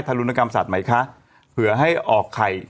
รุณกรรมสัตว์ไหมคะเผื่อให้ออกไข่